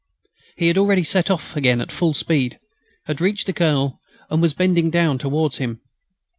He had already set off again at full speed, had reached the Colonel, and was bending down towards him.